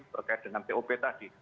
berkait dengan top tadi